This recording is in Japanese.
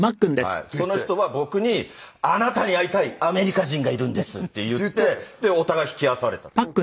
その人は僕に「あなたに会いたいアメリカ人がいるんです」って言ってお互い引き合わされたっていうか。